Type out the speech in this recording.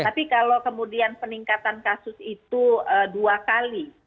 tapi kalau kemudian peningkatan kasus itu dua kali